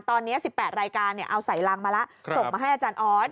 ตอนนี้๑๘รายการเอาใส่รังมาแล้วส่งมาให้อาจารย์ออส